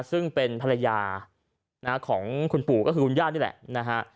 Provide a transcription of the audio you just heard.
ซึ่งเป็นภรรยาของคุณปู่ก็คือคุณย่านี่แหละนะฮะ